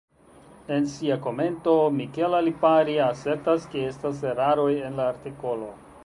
En sia komento Michela Lipari asertas, ke estas eraroj en la artikolo.